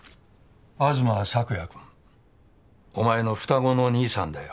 東朔也君お前の双子の兄さんだよ